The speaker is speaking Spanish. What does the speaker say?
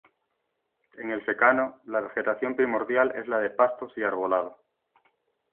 En el secano, la vegetación primordial es la de pastos y arbolado.